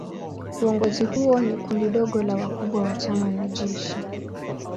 Uongozi huo ni kundi dogo la wakubwa wa chama na jeshi.